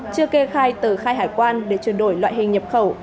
chưa kê khai tờ khai hải quan để chuyển đổi loại hình nhập khẩu